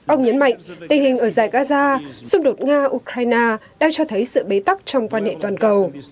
ông nhấn mạnh tình hình ở dài gaza xung đột nga ukraine đang cho thấy sự bế tắc trong quan hệ toàn cầu